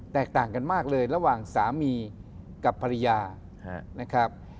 แตกต่างกันมากเลยระหว่างสามีกับภรรยานะครับ